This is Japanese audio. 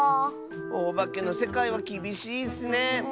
おばけのせかいはきびしいッスね。